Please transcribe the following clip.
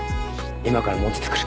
今からモテてくる。